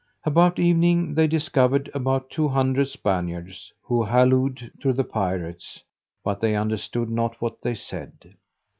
About evening they discovered about two hundred Spaniards, who hallooed to the pirates, but they understood not what they said.